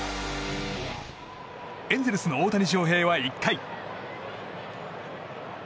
エンゼルスの大谷翔平は１回。